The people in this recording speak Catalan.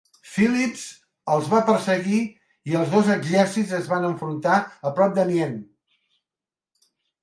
Philips el va perseguir i els dos exèrcits es van enfrontar a prop d'Amiens.